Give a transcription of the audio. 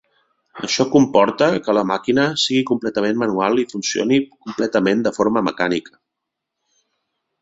Això comporta que la maquina sigui completament manual i funcioni completament de forma mecànica.